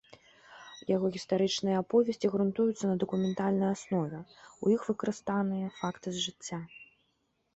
Яго гістарычныя аповесці грунтуюцца на дакументальнай аснове, у іх выкарыстаныя факты з жыцця.